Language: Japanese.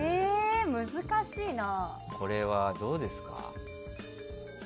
これは、どうですか？